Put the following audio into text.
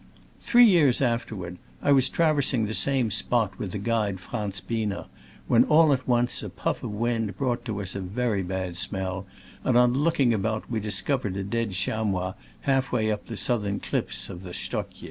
Three years afterward, I was travers ing the same spot with the guide Franz Biener, when all at once a puff of wind brought to us a very bad smell, and on looking about we discovered a dead chamois half way up the southern cliffs of the Stockje.